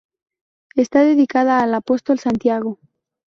Está dedicada al Apóstol Santiago.